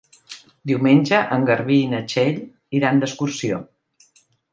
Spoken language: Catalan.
Diumenge en Garbí i na Txell iran d'excursió.